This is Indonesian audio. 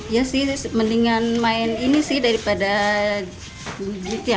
ya sih mendingan main ini sih daripada gigit ya